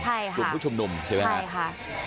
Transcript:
กลุ่มผู้ชมนมใช่ไหมคะ